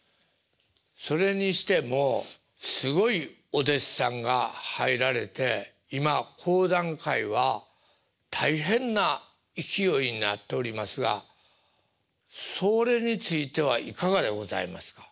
それにしてもすごいお弟子さんが入られて今講談界は大変な勢いになっておりますがそれについてはいかがでございますか？